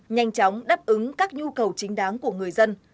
nhanh chóng đáp ứng các nhu cầu chính đáng của người dân